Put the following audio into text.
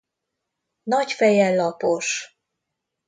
Nagy feje lapos.